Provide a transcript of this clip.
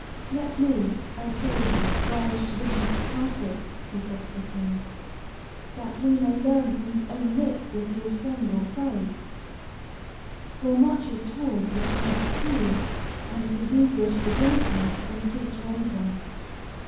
"Let me, I pray you, ride to the duke's castle," he said to the king, "that we may learn from his own lips if he is friend or foe, for much is told that is not true; and it is easier to begin a fight than it is to end one."